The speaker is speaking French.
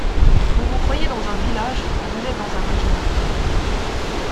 Vous vous croyiez dans un village, vous êtes dans un régiment.